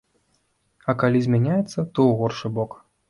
А калі змяняецца, то ў горшы бок.